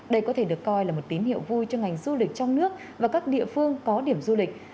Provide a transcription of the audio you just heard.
đây có thể được coi là một tín hiệu vui cho ngành du lịch trong nước và các địa phương có điểm du lịch